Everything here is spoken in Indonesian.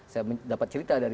saya dapat cerita dari